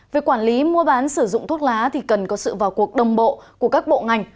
việc quản lý mua bán sử dụng thuốc lá thì cần có sự vào cuộc đồng bộ của các bộ ngành